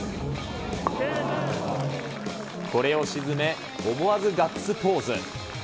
これを沈め、思わずガッツポーズ。